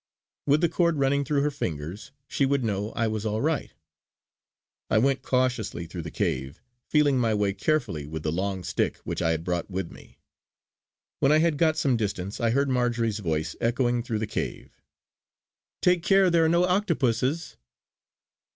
With the cord running through her fingers, she would know I was all right. I went cautiously through the cave, feeling my way carefully with the long stick which I had brought with me. When I had got some distance I heard Marjory's voice echoing through the cave: "Take care there are no octopuses!"